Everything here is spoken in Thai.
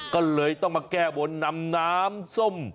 ก็เลยต้องมาแก้บนนำน้ำส้ม